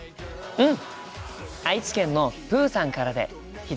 うん！